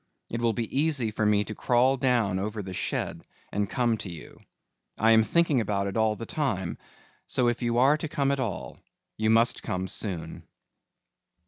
It will be easy for me to crawl down over the shed and come to you. I am thinking about it all the time, so if you are to come at all you must come soon."